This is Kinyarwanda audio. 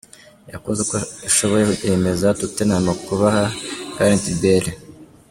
yakoze uko ishoboye yemeza Tottеnhаm kubaha Gаrеth Ваlе.